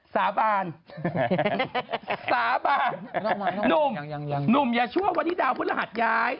สาบานสาบานนุ่มนุ่มอย่าช่วยว่าวันนี้ดาวเพื่อนรหัสย้าย